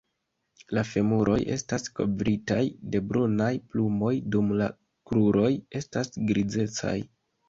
La femuroj estas kovritaj de brunaj plumoj dum la kruroj estas grizecaj.